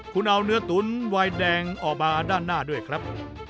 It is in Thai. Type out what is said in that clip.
คุณเอาเนื้อตุ๋นวายแดงออกมาด้านหน้าด้วยครับ